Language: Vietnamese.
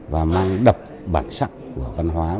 và mang đập bản sắc của văn hóa